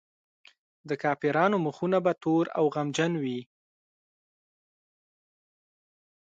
د کافرانو مخونه به تور او غمجن وي.